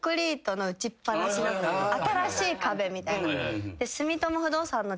新しい壁みたいな。